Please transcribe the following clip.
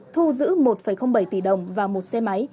thu giữ một bảy tỷ đồng và một xe máy